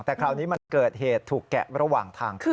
แต่คราวนี้มันเกิดเหตุถูกแกะระหว่างทางขึ้น